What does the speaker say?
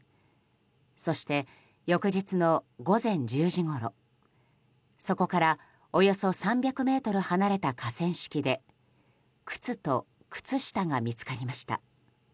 そして、翌日の午前１０時ごろそこからおよそ３００ｍ離れた河川敷で靴と靴下が見つかりました。